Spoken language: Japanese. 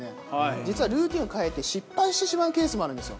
実はルーティンを変えると失敗してしまうケースもあるんですよ。